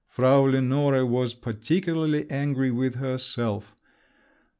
Frau Lenore was particularly angry with herself.